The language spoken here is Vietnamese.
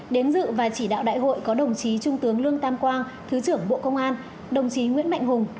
đến dự và chỉ đạo đại hội có đồng chí trung tướng lương tam quang thứ trưởng bộ công an